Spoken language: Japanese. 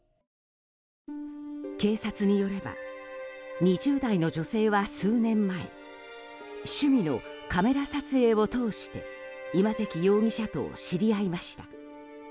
警察によれば２０代の女性は数年前趣味のカメラ撮影を通して今関容疑者と知り合いました。